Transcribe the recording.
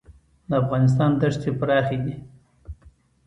د افغانستان دښتې پراخې دي